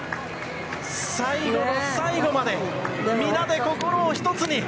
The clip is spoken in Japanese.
最後の最後まで皆で心を１つに。